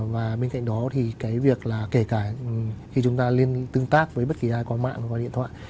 và bên cạnh đó thì cái việc là kể cả khi chúng ta tương tác với bất kỳ ai có mạng qua điện thoại